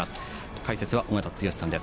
解説は尾方剛さんです。